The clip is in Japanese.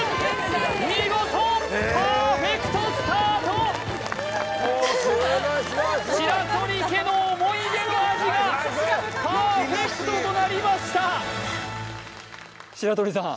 見事パーフェクトスタート白鳥家の思い出の味がパーフェクトとなりました白鳥さん